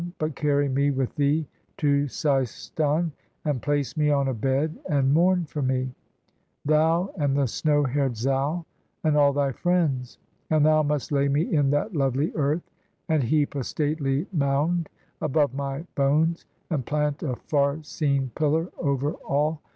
But carry me with thee to Seistan, And place me on a bed, and mourn for me; Thou, and the snow hair'd Zal, and all thy friends. And thou must lay me in that lovely earth. And heap a stately mound above my bones, And plant a far seen pillar over all.